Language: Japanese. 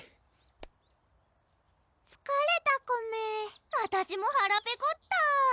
つかれたコメあたしもはらペコった！